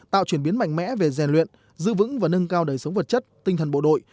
tạo chuyển biến mạnh mẽ về rèn luyện giữ vững và nâng cao đời sống vật chất tinh thần bộ đội